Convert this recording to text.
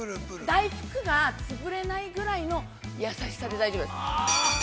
大福が潰れないぐらいの優しさで大丈夫です。